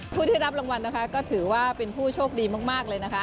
ผู้ที่รับรางวัลนะคะก็ถือว่าเป็นผู้โชคดีมากเลยนะคะ